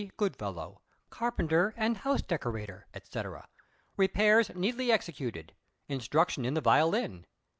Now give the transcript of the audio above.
Goodfellow. Carpenter and House Decorator, &c. Repairs Neatly Executed. Instruction in the Violin.